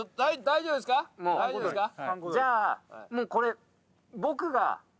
じゃあもうこれ。